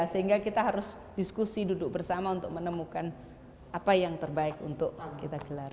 sehingga kita harus diskusi duduk bersama untuk menemukan apa yang terbaik untuk kita gelar